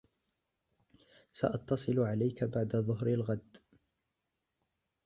سأتصل عليك بعد ظهر الغد.